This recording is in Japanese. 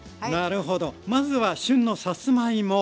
なるほどまずは旬のさつまいも。